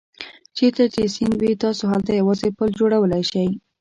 چېرته چې سیند وي تاسو هلته یوازې پل جوړولای شئ.